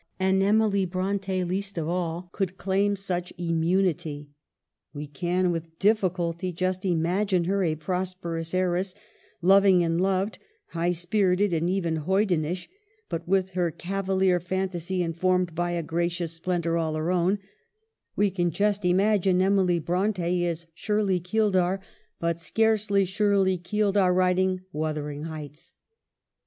And Emily Bronte least of all could claim such im munity. We can with difficulty just imagine her a prosperous heiress, loving and loved, high spirited and even hoydenish ; but with her cava lier fantasy informed by a gracious splendor all her own, we can just imagine Emily Bronte as Shirley Keeldar, but scarcely Shirley Keeldar writing 'Wuthering Heights.'